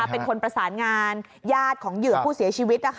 เป็นคนประสานงานญาติของเหยื่อผู้เสียชีวิต